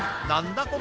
何だ？